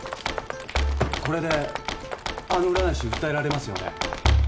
これであの占い師訴えられますよね？